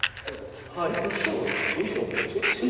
衣装ですか？